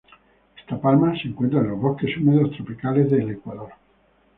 Esta palma se encuentra en los bosques húmedos tropicales de Ecuador.